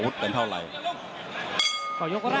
แต่กลับไปเลยนะครับ